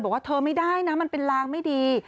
บอกว่าเธอไม่ได้นะมันเป็นลางไม่ดี